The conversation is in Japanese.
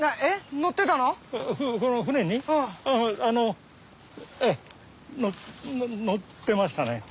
乗ってましたね。